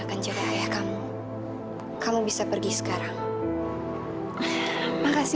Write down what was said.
akan jaga ayah kamu kamu bisa pergi sekarang makasih